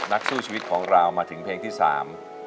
นักสู้ชีวิตของเรามาถึงเพลงที่สาม